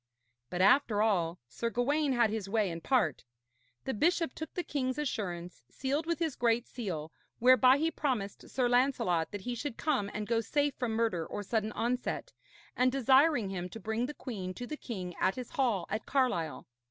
But, after all, Sir Gawaine had his way in part. The bishop took the king's assurance, sealed with his great seal, whereby he promised Sir Lancelot that he should come and go safe from murder or sudden onset, and desiring him to bring the queen to the king at his hall at Carlisle.